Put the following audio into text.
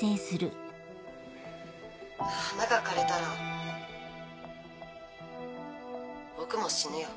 花が枯れたら僕も死ぬよ。